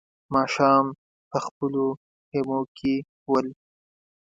ماښام په خپلو خيمو کې ول.